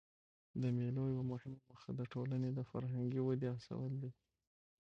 د مېلو یوه مهمه موخه د ټولني د فرهنګي ودي هڅول دي.